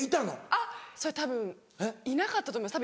あっそれたぶんいなかったと思います。